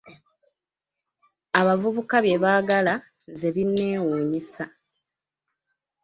Abavubuka bye baagala nze binneewuunyisa.